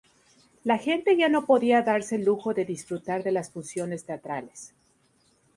La gente ya no podía darse el lujo de disfrutar de las funciones teatrales.